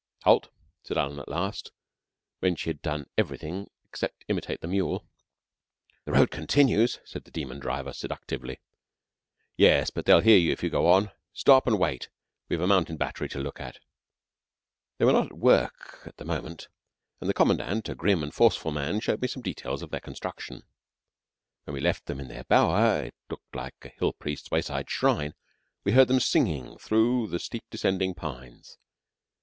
"Halt!" said Alan at last, when she had done everything except imitate the mule. "The road continues," said the demon driver seductively. "Yes, but they will hear you if you go on. Stop and wait. We've a mountain battery to look at." They were not at work for the moment, and the Commandant, a grim and forceful man, showed me some details of their construction. When we left them in their bower it looked like a Hill priest's wayside shrine we heard them singing through the steep descending pines.